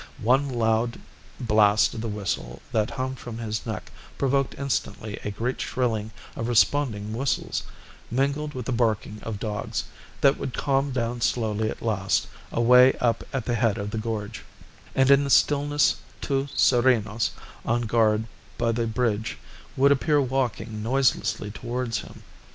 One loud blast of the whistle that hung from his neck provoked instantly a great shrilling of responding whistles, mingled with the barking of dogs, that would calm down slowly at last, away up at the head of the gorge; and in the stillness two serenos, on guard by the bridge, would appear walking noiselessly towards him.